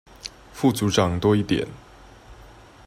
副組長多一點